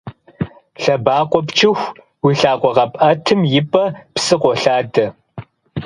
Лъэбакъуэ пчыху, уи лъакъуэ къэпӀэтам и пӀэ псы къолъадэ.